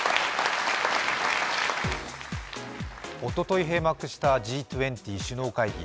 おととい閉幕したＧ２０首脳会議